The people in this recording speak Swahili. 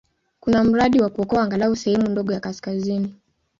Kuna mradi wa kuokoa angalau sehemu ndogo ya kaskazini.